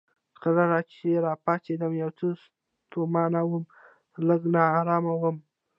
کله چې راپاڅېدم یو څه ستومانه وم، لږ نا ارامه وم.